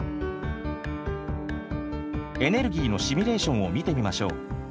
エネルギーのシミュレーションを見てみましょう。